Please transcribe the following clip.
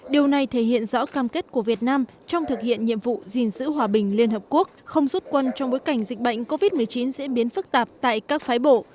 điều này thể hiện rõ cam kết của việt nam trong thực hiện nhiệm vụ gìn giữ hòa bình liên hợp quốc không rút quân trong bối cảnh dịch bệnh covid một mươi chín diễn biến phức tạp tại các phái bộ